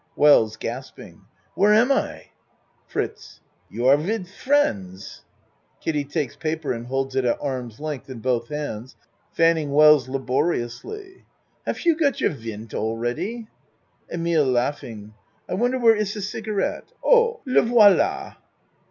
WELLS Where am I? FRITZ You are wid friends. (Kiddie takes pa per and holding it at arms length, in both hands t fanning Wells laboriously.) Haf you got your wind all ready? EMILE I wonder where iss a cigarette. Oh le voila!